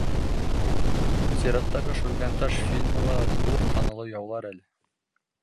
Сираттағы «Шүлгәнташ» фильмы ла ҙур танылыу яулар әле.